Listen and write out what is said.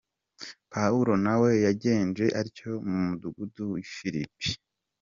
Pawulo nawe yagenje atyo mu mudugudu w’i Filipi.